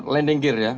landing gear ya